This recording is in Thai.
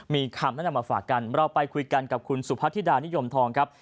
มีคำแนะนำมาฝากกันเราไปคุยกันกับคุณสุพัทธิดานิยมทองครับ